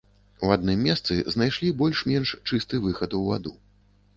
І ў адным месцы знайшлі больш-менш чысты выхад у ваду.